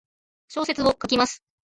小説を書きます。